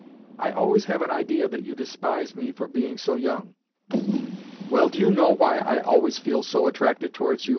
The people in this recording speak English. I always have an idea that you despise me for being so young." "Well, do you know why I always feel so attracted towards you?"